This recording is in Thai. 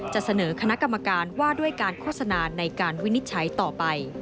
จะเสนอคณะกรรมการว่าด้วยการโฆษณาในการวินิจฉัยต่อไป